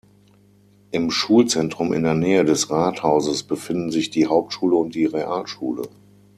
Im Schulzentrum in der Nähe des Rathauses befinden sich die Hauptschule und die Realschule.